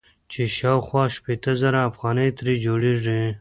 چې شاوخوا شپېته زره افغانۍ ترې جوړيږي.